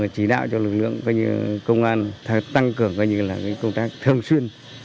các hoạt động trên